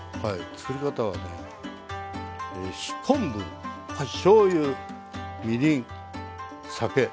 つくり方はね昆布しょうゆみりん酒。